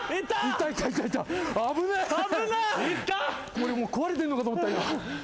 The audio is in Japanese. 俺もう、壊れてるのかと思った、今。